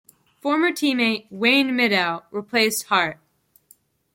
Former teammate Wayne Middaugh replaced Hart.